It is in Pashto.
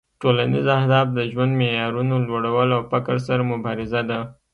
ټولنیز اهداف د ژوند معیارونو لوړول او فقر سره مبارزه ده